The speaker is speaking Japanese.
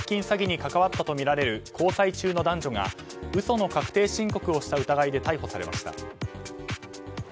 詐欺に関わったとみられる交際中の男女が嘘の確定申告をした疑いで逮捕されました。